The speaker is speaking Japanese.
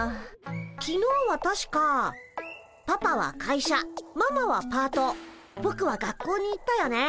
きのうはたしかパパは会社ママはパートぼくは学校に行ったよね。